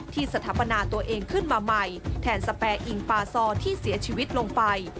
สถาปนาตัวเองขึ้นมาใหม่แทนสแปอิงปาซอที่เสียชีวิตลงไป